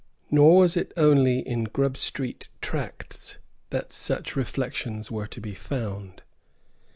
Nor was it only in Grub Street tracts that such reflections were to be found.